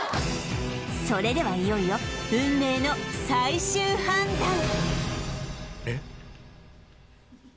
それではいよいよ運命の最終判断えっ？